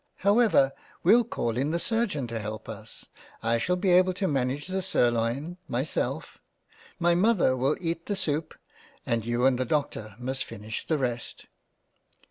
However, we'll call in the Surgeon to help us. I shall be able to manage the Sir loin myself, my Mother will eat the soup, and You and the Doctor must finish the rest."